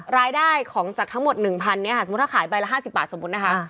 รายได้ของจากทั้งหมด๑๐๐เนี่ยค่ะสมมุติถ้าขายใบละ๕๐บาทสมมุตินะคะ